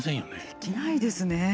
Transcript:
できないですね。